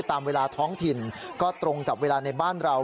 ตามเวลาท้องถิ่นก็ตรงกับเวลาในบ้านเรา